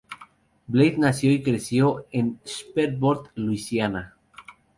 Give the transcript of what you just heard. Blade nació y creció en Shreveport, Louisiana.